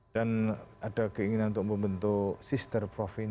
dan ada keinginan untuk membentuk sister province